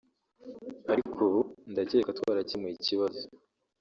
Ariko ubu ndakeka twarakemuye ikibazo